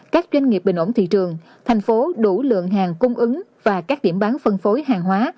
các doanh nghiệp bình ổn thị trường thành phố đủ lượng hàng cung ứng và các điểm bán phân phối hàng hóa